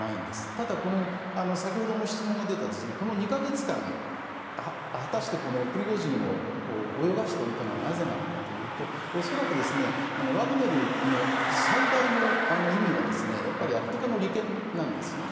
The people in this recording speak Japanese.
ただ、先ほども質問が出たこの２か月間果たしてプリゴジンを泳がせておいたのはなぜなのかというと恐らく、ワグネルの最大の意味はやっぱりアフリカの利権なんですね。